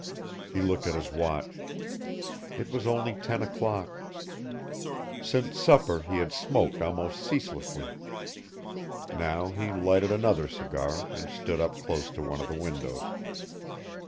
He looked at his watch. It was only ten o'clock. Since supper he had smoked almost ceaselessly. Now he lighted another cigar and stood up close to one of the windows.